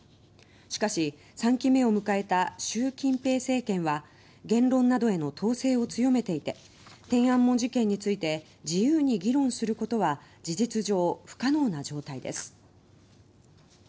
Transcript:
しかし、３期目を迎えた習近平政権は言論などへの統制を強めていて天安門事件について自由に議論することは事実上不可能な状態です。